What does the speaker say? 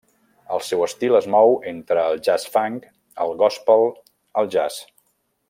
El seu estil es mou entre el jazz-funk, el gòspel el jazz.